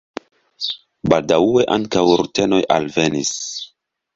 Baldaŭe ankaŭ rutenoj alvenis.